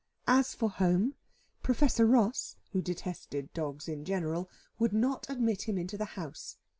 As for home, Professor Ross, who detested dogs in general, would not admit him into the house.